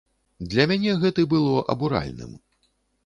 Для мяне гэты было абуральным.